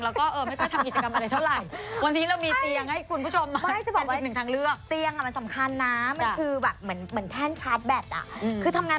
แล้วก็ไม่ค่อยทำกิจกรรมอะไรเท่าไหร่